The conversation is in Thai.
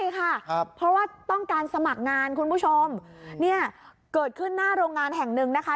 ใช่ค่ะเพราะว่าต้องการสมัครงานคุณผู้ชมเนี่ยเกิดขึ้นหน้าโรงงานแห่งหนึ่งนะคะ